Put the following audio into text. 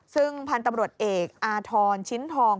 ซึ่งพันธุ์ตำรวจเอกอาธรณ์ชิ้นทอง